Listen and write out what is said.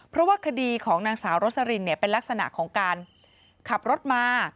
เพราะว่าคดีของนางสาวโรสลินเป็นลักษณะของการขับรถมา